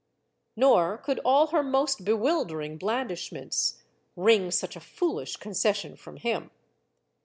Nor could all her most bewildering blandishments wring such a foolish concession from him.